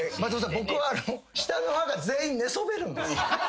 僕は下の歯が全員寝そべるんです。